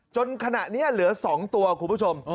จนขณะนี้เหลือ๒ตัวคุณผู้ชม